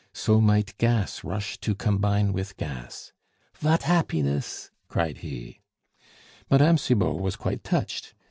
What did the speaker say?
So might gas rush to combine with gas. "Vat happiness!" cried he. Mme. Cibot was quite touched.